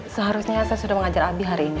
seharusnya saya sudah mengajar abi hari ini